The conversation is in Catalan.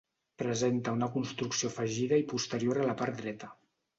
Presenta una construcció afegida i posterior a la part dreta.